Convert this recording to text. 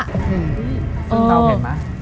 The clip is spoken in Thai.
ซึ่งเธอเห็นมั้ย